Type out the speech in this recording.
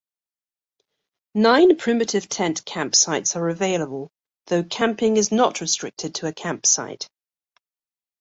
Nine primitive tent campsites are available though camping is not restricted to a campsite.